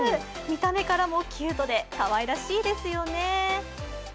見た目もキュートでかわいらしいですよね。